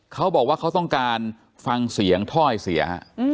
เขาบอกว่าเขาต้องการฟังเสียงถ้อยเสีย